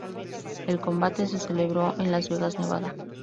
El combate se celebró en Las Vegas, Nevada.